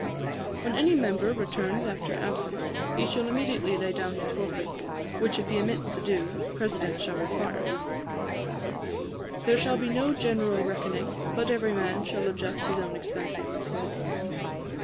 'When any member returns after absence, he shall immediately lay down his forfeits; which if he omits to do, the President shall require. 'There shall be no general reckoning, but every man shall adjust his own expences.